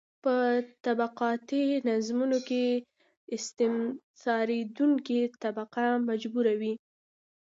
په طبقاتي نظامونو کې استثماریدونکې طبقه مجبوره وي.